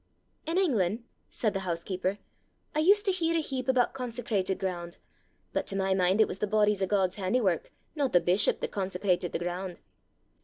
"In Englan'," said the housekeeper, "I used to hear a heap aboot consecrated ground; but to my min' it was the bodies o' God's handiwark, no the bishop, that consecrated the ground.